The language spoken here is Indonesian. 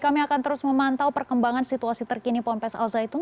kita harus memantau perkembangan situasi terkini pondok pesantren al zaitun